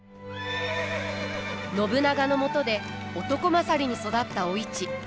信長のもとで男勝りに育ったお市。